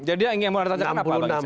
jadi yang mau saya tanya kenapa bang wissam